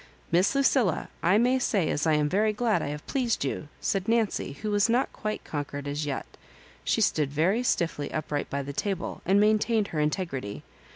" Miss Lucilla, I may say as I am very glad I have pleased you," said Nancy, who was not quite conquered as yet She stood very stiffly upright by the table, and maintai&ed her inte grity.